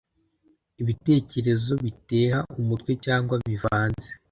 ibitekerezo biteha umutwe cyangwa bivanze